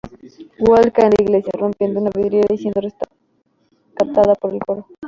Welch cae en la iglesia, rompiendo una vidriera y siendo rescatada por el coro.